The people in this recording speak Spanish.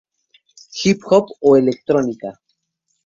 Hip Hop o Electrónica.